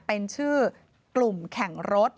เป็นชื่อกลุ่มแข่งรถ